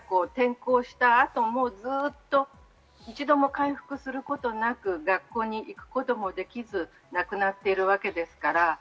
それをましてや転校した後もずっと一度も回復することなく、学校に行くこともできず、亡くなっているわけですから。